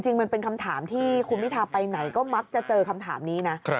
จริงมันเป็นคำถามที่คุณพิทาไปไหนก็มักจะเจอคำถามนี้นะ